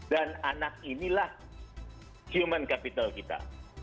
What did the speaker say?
dan anak inilah human capital kita